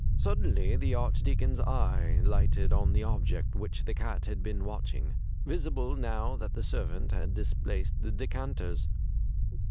Suddenly the Archdeacon's eye lighted on the object which the cat had been watching, visible now that the servant had displaced the de canters.